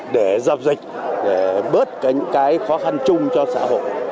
để dập dịch để bớt những cái khó khăn chung cho xã hội